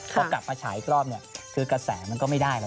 พอกลับมาฉายอีกรอบเนี่ยคือกระแสมันก็ไม่ได้แล้ว